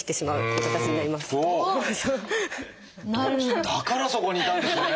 だからそこにいたんですね！